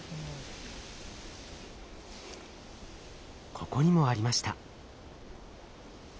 ここにもありました。